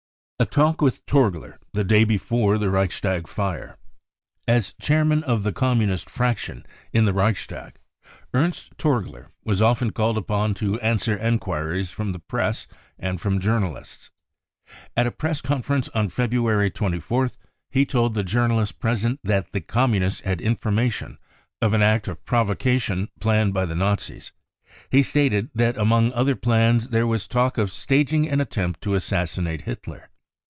A Talk with Torgler the Day Before the Reichstag Fire. As chairman of the Communist fraction in the Reichstag, Ernst Torgler was often called upon to answer enquiries from the Press and from journalists. At a Press conference on February 24th he told the journalists present that the Communists had information of an act of provo cation planned by the Nazis. Fie stated that among other plans there was talk of staging an attempt to assassinate Hitler.